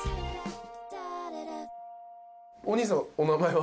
お兄さんお名前は？